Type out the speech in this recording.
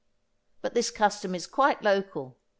But this custom is quite local.